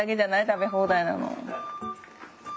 食べ放題なの。